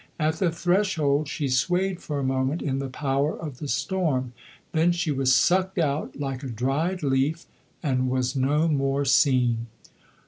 At the threshold she swayed for a moment in the power of the storm; then she was sucked out like a dried leaf and was no more seen.